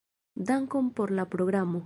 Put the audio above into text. Dankon por la programo.